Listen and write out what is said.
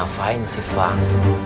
nafain sih fahim